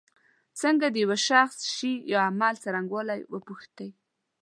څنګه د یو شخص شي یا عمل څرنګوالی پوښتی.